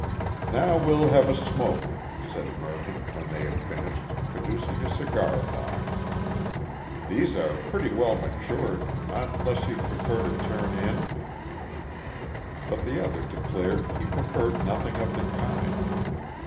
"Now we'll have a smoke," said Mervyn, when they had finished, producing a cigar box. "These are pretty well matured Unless you'd prefer to turn in?" But the other declared he preferred nothing of the kind.